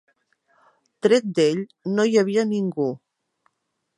Tret d'ell, no hi havia ningú.